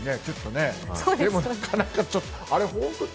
でもなかなかちょっと。